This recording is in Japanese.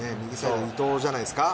伊藤じゃないですか。